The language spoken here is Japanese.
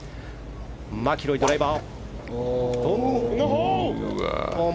マキロイ、ドライバー。